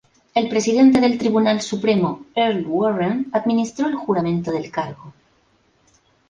El Presidente del Tribunal Supremo Earl Warren administró el juramento del cargo.